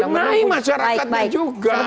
benahi masyarakatnya juga